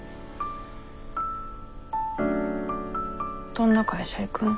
どんな会社行くの？